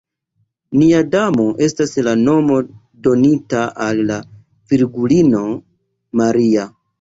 Nia Damo estas la nomo donita al la Virgulino Maria.